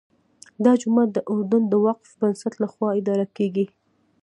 دا جومات د اردن د وقف بنسټ لخوا اداره کېږي.